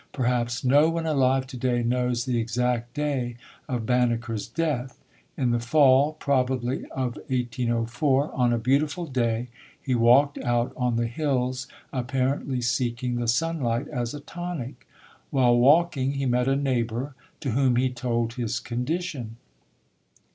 Perhaps no one alive today knows the exact day of Banneker's death. In the fall, probably of 1804, on a beautiful day, he walked out on the hills apparently seeking the sunlight as a tonic. While walking, he met a neighbor to whom he told his condition.